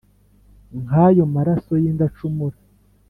nk’ayo maraso y’indacumura